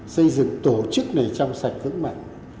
xây dựng tổ chức này trong sạch vững mạnh